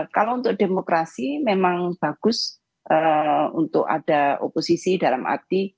kalau untuk demokrasi memang bagus untuk ada oposisi dalam arti